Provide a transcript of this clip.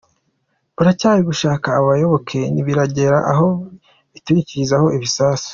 Baracyari gushaka abayoboke, ntibiragera aho biturikirizaho ibisasu.